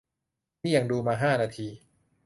นี่ยังดูมาห้านาที